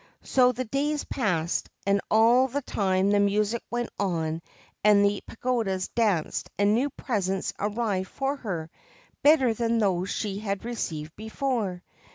So the days passed, and all the time the music went on and the pagodas danced and new presents arrived for her, better than those she had received before.